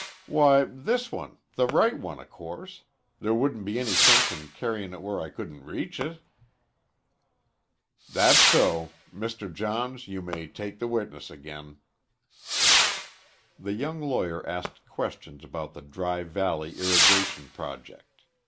"Why, this one the right one, o' course. There wouldn't be any sense in carryin' it where I couldn't reach it." "That's so. Mr. Johns, you may take the witness again." The young lawyer asked questions about the Dry Valley irrigation project.